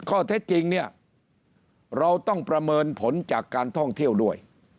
ข้อเท็จจริงเนี่ยเราต้องประเมินผลจากการท่องเที่ยวด้วย